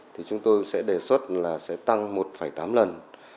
thì chúng tôi sẽ đề xuất là sẽ tăng một tám lần